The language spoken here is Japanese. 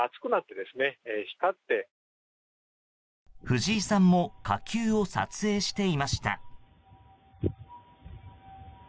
藤井さんも火球を撮影していました。